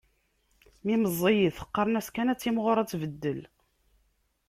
Mi meẓẓiyet, qqaren-as kan ad timɣur ad tbeddel